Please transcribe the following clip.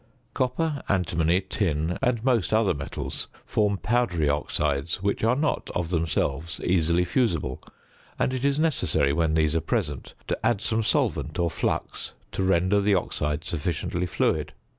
Copper, antimony, tin, and most other metals, form powdery oxides, which are not of themselves easily fusible, and it is necessary when these are present to add some solvent or flux to render the oxide sufficiently fluid.